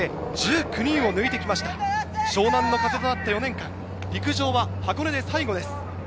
湘南の風となった４年間、陸上は箱根で最後です。